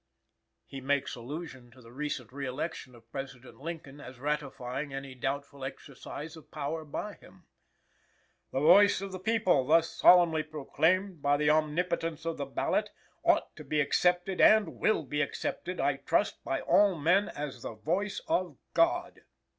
He makes allusion to the recent re election of President Lincoln, as ratifying any doubtful exercise of power by him: "The voice of the people, thus solemnly proclaimed, by the omnipotence of the ballot ought to be accepted, and will be accepted, I trust, by all just men, as the voice of God."